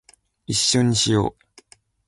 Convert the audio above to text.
一緒にしよ♡